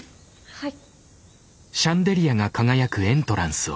はい。